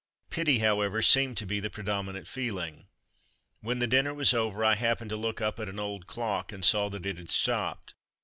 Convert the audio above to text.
Pity, however, seemed to be the predominant feeling. When the dinner was over, I happened to look up at an old clock and saw that it had stopped.